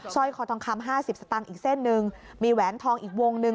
ร้อยคอทองคำห้าสิบสตางค์อีกเส้นหนึ่งมีแหวนทองอีกวงหนึ่ง